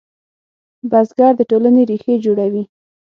بزګر د ټولنې ریښې جوړوي